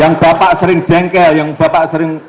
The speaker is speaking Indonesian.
yang bapak sering jengkel yang bapak sering